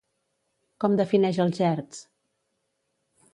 Com defineix els gerds?